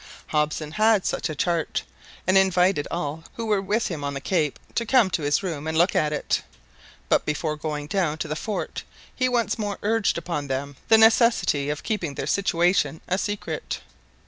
Hobson had such a chart, and invited all who were with him on the cape to come to his room and look at it; but before going down to the fort he once more urged upon them the necessity of keeping their situation a secret.